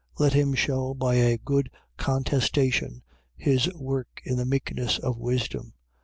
Let him shew, by a good contestation, his work in the meekness of wisdom.